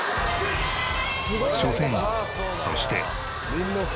初戦そして。